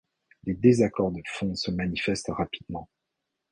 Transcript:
Les désaccords de fond se manifestent rapidement.